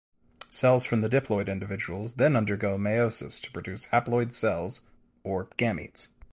Cells from the diploid individuals then undergo meiosis to produce haploid cells or gametes.